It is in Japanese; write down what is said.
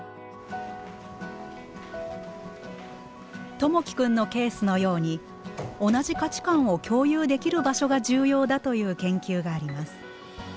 友輝君のケースのように同じ価値観を共有できる場所が重要だという研究があります。